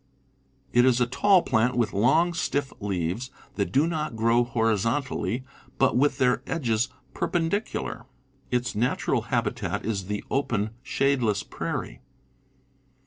It is a tall plant with long, stiff leaves, that do not grow horizontally but with their edges perpendicular. Its natural habitat is the open, shadeless prairie.